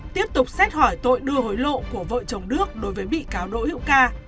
tiếp tục xét hỏi tội đưa hối lộ của vợ chồng đức đối với bị cáo đỗ hữu ca